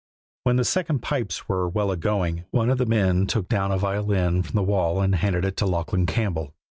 When the second pipes were well a going one of the men took down a violin from the wall and handed it to Lachlan Campbell.